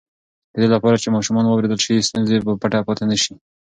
د دې لپاره چې ماشومان واورېدل شي، ستونزې به پټې پاتې نه شي.